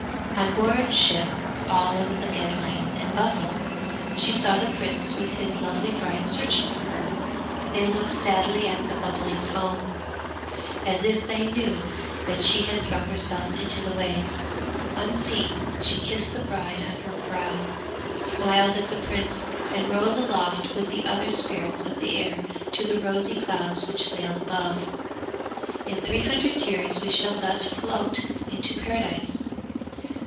On board ship all was again life and bustle. She saw the prince with his lovely bride searching for her; they looked sadly at the bubbling foam, as if they knew that she had thrown herself into the waves. Unseen she kissed the bride on her brow, smiled at the prince, and rose aloft with the other spirits of the air to the rosy clouds which sailed above. 'In three hundred years we shall thus float into Paradise.'